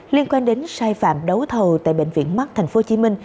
liên quan đến sai phạm đấu thầu tại bệnh viện mắc tp hcm